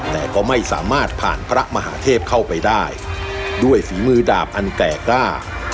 แต่ก็ไม่สามารถผ่านพระมหาเทพเข้าไปได้ด้วยฝีมือดาบอันแก่กล้า